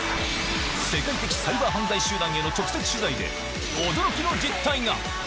世界的サイバー犯罪集団への直接取材で、驚きの実態が！